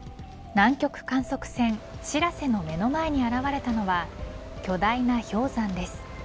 南極観測船しらせの目の前に現れたのは巨大な氷山です。